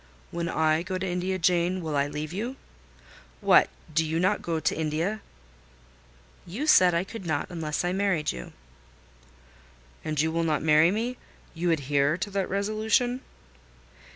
"When I go to India, Jane, will I leave you! What! do you not go to India?" "You said I could not unless I married you." "And you will not marry me! You adhere to that resolution?"